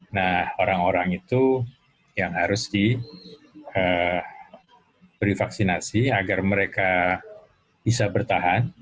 nah orang orang itu yang harus diberi vaksinasi agar mereka bisa bertahan